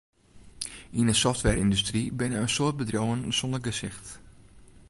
Yn 'e softwareyndustry binne in soad bedriuwen sonder gesicht.